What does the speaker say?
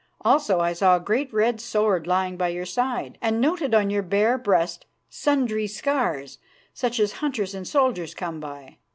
Also I saw a great red sword lying by your side and noted on your bare breast sundry scars, such as hunters and soldiers come by.